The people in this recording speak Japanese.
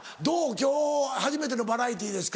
今日初めてのバラエティーですか？